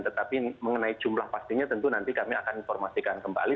tetapi mengenai jumlah pastinya tentu nanti kami akan informasikan kembali